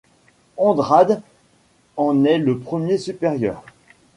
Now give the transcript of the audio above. Andrade en est le premier supérieur.